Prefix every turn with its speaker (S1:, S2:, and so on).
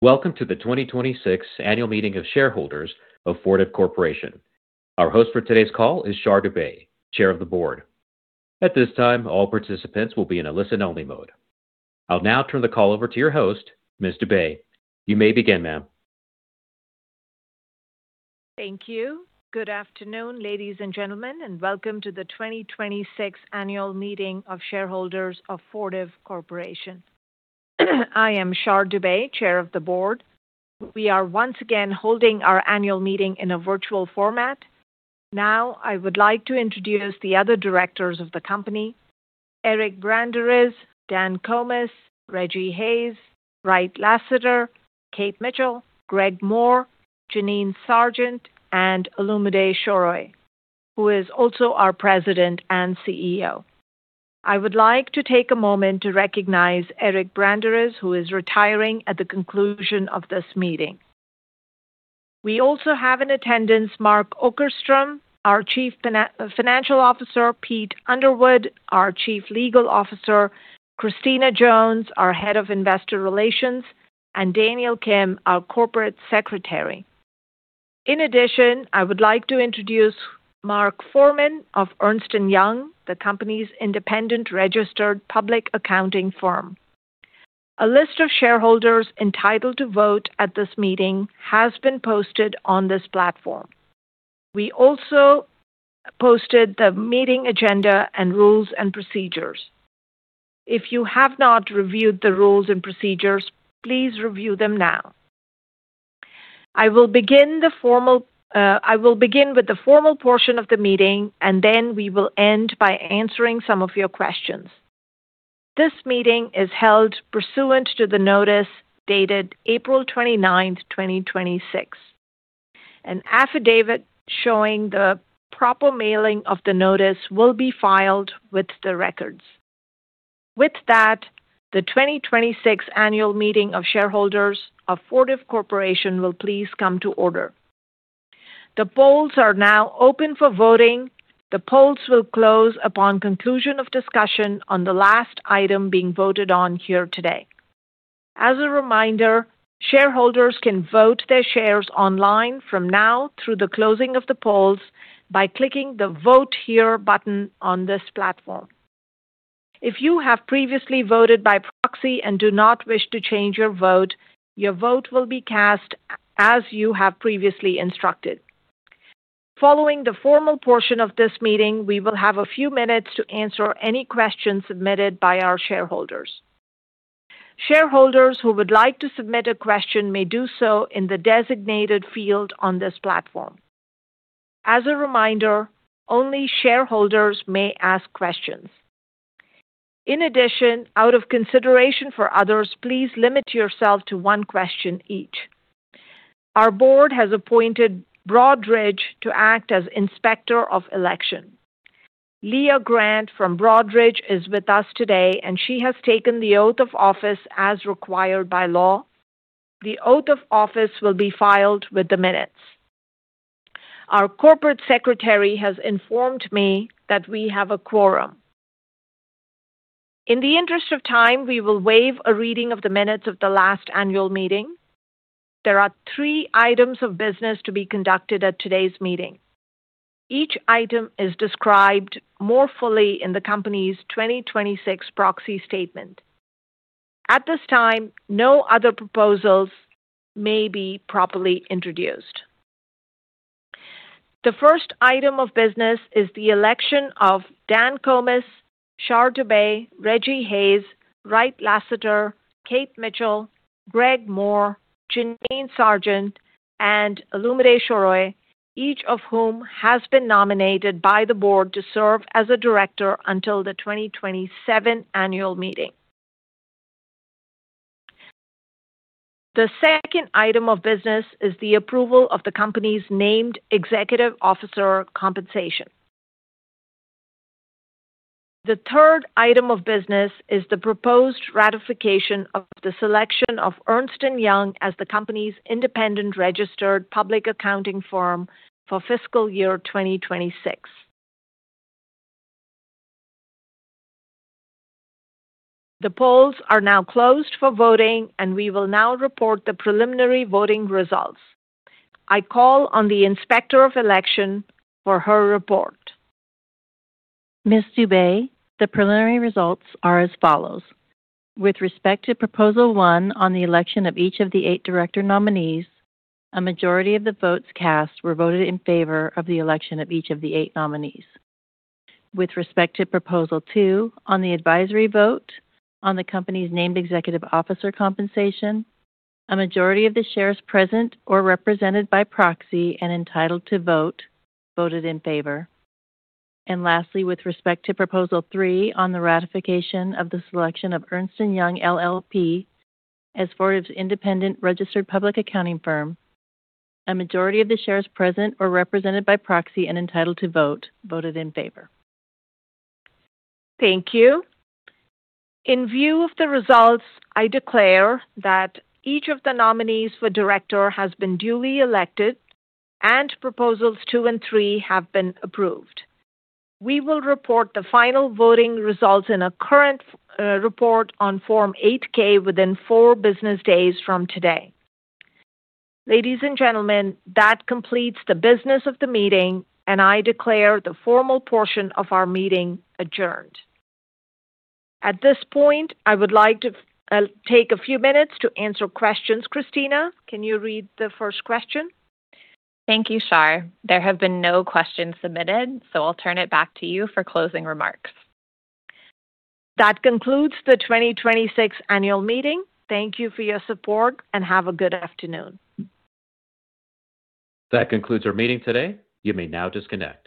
S1: Welcome to the 2026 annual meeting of shareholders of Fortive Corporation. Our host for today's call is Sharmistha Dubey, Chair of the Board. At this time, all participants will be in a listen-only mode. I will now turn the call over to your host, Ms. Dubey. You may begin, ma'am.
S2: Thank you. Good afternoon, ladies and gentlemen, and welcome to the 2026 annual meeting of shareholders of Fortive Corporation. I am Shar Dubey, Chair of the Board. We are once again holding our annual meeting in a virtual format. I would like to introduce the other directors of the company: Eric Branderiz, Dan Comas, Rejji Hayes, Wright Lassiter, Kate Mitchell, Greg Moore, Jeannine Sargent, and Olumide Soroye, who is also our President and CEO. I would like to take a moment to recognize Eric Branderiz, who is retiring at the conclusion of this meeting. We also have in attendance Mark Okerstrom, our Chief Financial Officer, Pete Underwood, our Chief Legal Officer, Christina Jones, our head of Investor Relations, and Daniel Kim, our Corporate Secretary. I would like to introduce Mark Foreman of Ernst & Young, the company's independent registered public accounting firm. A list of shareholders entitled to vote at this meeting has been posted on this platform. We also posted the meeting agenda and rules and procedures. If you have not reviewed the rules and procedures, please review them now. I will begin with the formal portion of the meeting, and then we will end by answering some of your questions. This meeting is held pursuant to the notice dated April 29th, 2026. An affidavit showing the proper mailing of the notice will be filed with the records. The 2026 annual meeting of shareholders of Fortive Corporation will please come to order. The polls are now open for voting. The polls will close upon conclusion of discussion on the last item being voted on here today. As a reminder, shareholders can vote their shares online from now through the closing of the polls by clicking the Vote Here button on this platform. If you have previously voted by proxy and do not wish to change your vote, your vote will be cast as you have previously instructed. Following the formal portion of this meeting, we will have a few minutes to answer any questions submitted by our shareholders. Shareholders who would like to submit a question may do so in the designated field on this platform. As a reminder, only shareholders may ask questions. Out of consideration for others, please limit yourself to one question each. Our Board has appointed Broadridge to act as Inspector of Election. Leah Grant from Broadridge is with us today, and she has taken the oath of office as required by law. The oath of office will be filed with the minutes. Our corporate secretary has informed me that we have a quorum. In the interest of time, we will waive a reading of the minutes of the last annual meeting. There are three items of business to be conducted at today's meeting. Each item is described more fully in the company's 2026 proxy statement. At this time, no other proposals may be properly introduced. The first item of business is the election of Dan Comas, Char Dubey, Rejji Hayes, Wright Lassiter, Kate Mitchell, Greg Moore, Jeannine Sargent, and Olumide Soroye, each of whom has been nominated by the board to serve as a director until the 2027 annual meeting. The second item of business is the approval of the company's named executive officer compensation. The third item of business is the proposed ratification of the selection of Ernst & Young as the company's independent registered public accounting firm for fiscal year 2026. The polls are now closed for voting. We will now report the preliminary voting results. I call on the inspector of election for her report.
S3: Ms. Dubey, the preliminary results are as follows. With respect to proposal one on the election of each of the eight director nominees, a majority of the votes cast were voted in favor of the election of each of the eight nominees. With respect to proposal two on the advisory vote on the company's named executive officer compensation, a majority of the shares present or represented by proxy and entitled to vote, voted in favor. Lastly, with respect to proposal three on the ratification of the selection of Ernst & Young LLP as Fortive's independent registered public accounting firm, a majority of the shares present or represented by proxy and entitled to vote, voted in favor.
S2: Thank you. In view of the results, I declare that each of the nominees for director has been duly elected and proposals two and three have been approved. We will report the final voting results in a current report on Form 8-K within four business days from today. Ladies and gentlemen, that completes the business of the meeting. I declare the formal portion of our meeting adjourned. At this point, I would like to take a few minutes to answer questions. Christina, can you read the first question?
S4: Thank you, Char. There have been no questions submitted. I'll turn it back to you for closing remarks.
S2: That concludes the 2026 annual meeting. Thank you for your support. Have a good afternoon.
S1: That concludes our meeting today. You may now disconnect.